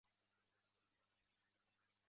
抚仙粘体虫为粘体科粘体虫属的动物。